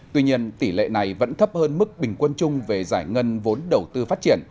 tuy nhiên tỷ lệ này vẫn thấp hơn mức bình quân chung về giải ngân vốn đầu tư phát triển